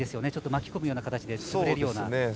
巻き込むような形で潰れるような。